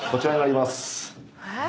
えっ？